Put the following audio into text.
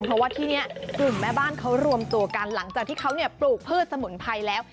เพราะว่าที่นี่กลุ่มแม่บ้านเขารวมตัวกันหลังจากที่เขาปลูกพืชสมุนไพรแล้ว